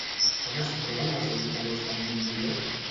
On es troben els agitadors d'en Montbrió?